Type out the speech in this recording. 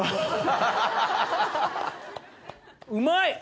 うまい！